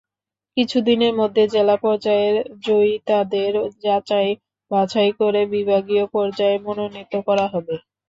কিছুদিনের মধ্যে জেলা পর্যায়ের জয়িতাদের যাচাই-বাছাই করে বিভাগীয় পর্যায়ে মনোনীত করা হবে।